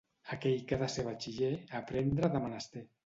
Aquell que ha de ser batxiller, aprendre ha de menester.